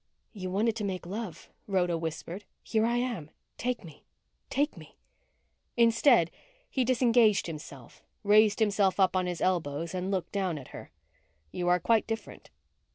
"You wanted to make love," Rhoda whispered. "Here I am. Take me. Take me." Instead, he disengaged himself, raised himself up on his elbows and looked down at her. "You are quite different."